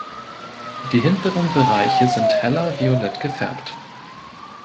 Die hinteren Bereiche sind heller violett gefärbt.